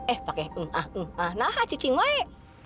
eh pakai um ah um ah nahak cuci gue